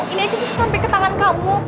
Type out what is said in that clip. ini aja bisa sampai ke tangan kamu